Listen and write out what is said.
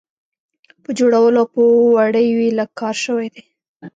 په جوړولو او په وړیو یې لږ کار شوی دی.